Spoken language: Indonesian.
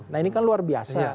nah ini kan luar biasa